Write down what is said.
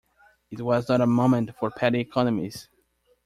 It was not a moment for petty economies.